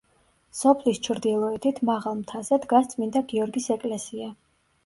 სოფლის ჩრდილოეთით, მაღალ მთაზე, დგას წმინდა გიორგის ეკლესია.